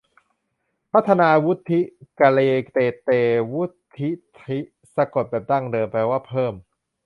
ปัญญาวุฑฒิ กะเรเตเต วุฑฒิ สะกดแบบดั้งเดิมแปลว่าเพิ่ม